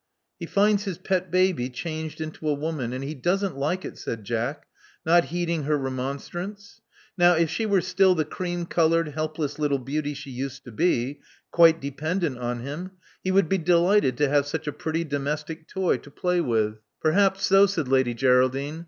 He finds his pet baby changed into a woman; and he doesn't like it," said Jack, not heeding her remon strance. Now, if she were still the cream colored, helpless little beauty she used to be, quite dependent on him, he would be delighted to have such a pretty domestic toy to play with." Love Among the Artists 253 •* Perhaps so," said Lady Geraldine.